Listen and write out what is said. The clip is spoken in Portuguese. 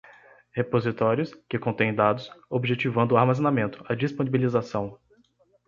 repositórios, que contêm dados, objetivando o armazenamento, a disponibilização